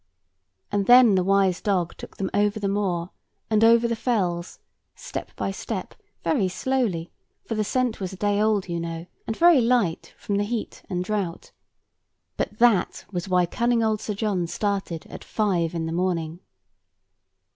And then the wise dog took them over the moor, and over the fells, step by step, very slowly; for the scent was a day old, you know, and very light from the heat and drought. But that was why cunning old Sir John started at five in the morning.